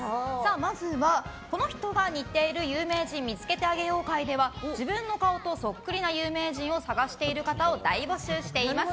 まず、この人が似ている有名人みんなで見つけてあげよう会では自分の顔とそっくりな有名人を探している方を大募集しています。